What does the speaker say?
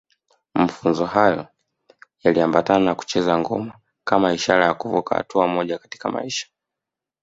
Mafunzo hayo yaliambatana na kucheza ngoma kama ishara ya kuvuka hatua moja katika maisha